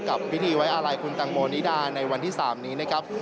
กับพิธีไว้อาลัยคุณตังโมนิดาในวันที่๓นี้นะครับ